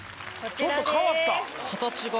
ちょっと変わった？